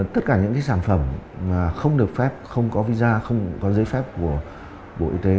tất cả những sản phẩm mà không được phép không có visa không có giấy phép của bộ y tế